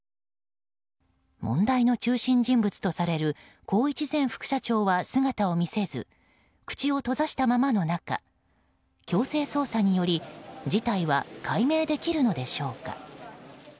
問題の中心人物とされる宏一前副社長は姿を見せず口を閉ざしたままの中強制捜査により事態は解明できるのでしょうか。